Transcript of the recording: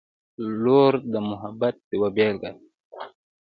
• لور د محبت یوه بېلګه ده.